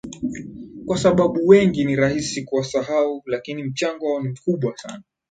Kwa sababu wengi ni rahisi kuwasahau lakini mchango wao ni mkubwa sana